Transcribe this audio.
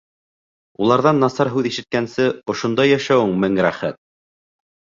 Уларҙан насар һүҙ ишеткәнсе, ошонда йәшәүең мең рәхәт!